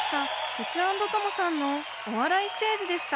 テツａｎｄトモさんのお笑いステージでした。